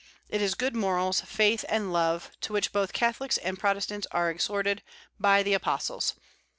It is good morals, faith, and love to which both Catholics and Protestants are exhorted by the Apostles.